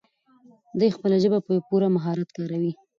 دی خپله ژبه په پوره مهارت کاروي.